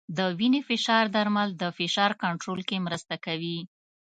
د وینې فشار درمل د فشار کنټرول کې مرسته کوي.